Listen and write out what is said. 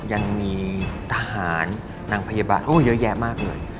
ยังมีทหารนางพยาบาลเขาก็เยอะแยะมากเลย